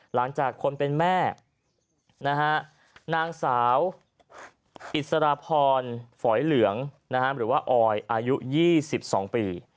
หลังจากคนเป็นแม่นางสาวอิสรพรฝอยเหลืองหรือว่าออยอายุ๒๒ปี